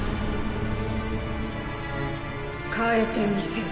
変えてみせる。